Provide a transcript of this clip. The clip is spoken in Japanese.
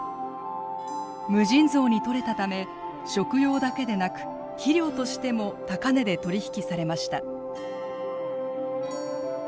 無尽蔵に取れたため食用だけでなく肥料としても高値で取り引きされました。